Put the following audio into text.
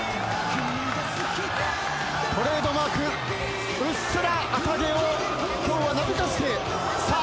トレードマークうっすら赤毛を今日はなびかせてさあ